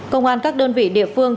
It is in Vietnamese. công an các đơn vị địa phương